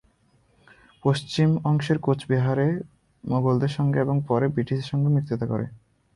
পশ্চিম অংশের কোচ বিহার প্রথমে মোগলদের সঙ্গে এবং পরে ব্রিটিশদের সঙ্গে মিত্রতা করে।